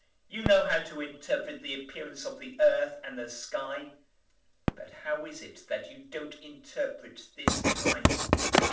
You know how to interpret the appearance of the earth and the sky, but how is it that you don't interpret this time?